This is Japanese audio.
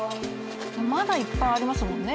まだいっぱいありますもんね